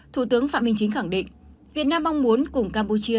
thủ tướng phạm minh chính khẳng định việt nam mong muốn cùng campuchia